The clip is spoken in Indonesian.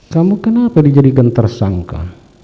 kamu kenapa dijadikan tersangka